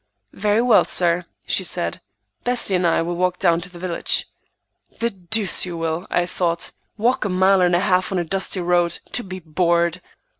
"Very well, sir," she said, "Bessie and I will walk down to the village." "The deuce you will!" I thought; "walk a mile and a half on a dusty road; to be bored!"